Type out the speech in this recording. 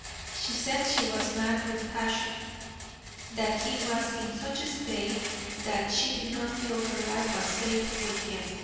She said he was mad with passion; that he was in such a state that she did not feel her life was safe with him.